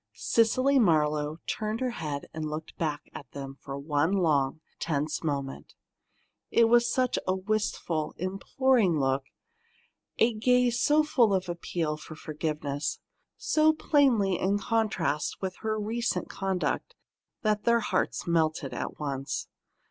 Cecily Marlowe turned her head and looked back at them for one long, tense moment. It was such a wistful, imploring look, a gaze so full of appeal for forgiveness, so plainly in contrast with her recent conduct, that their hearts melted at once.